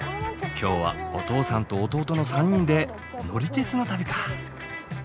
今日はお父さんと弟の３人で乗り鉄の旅か。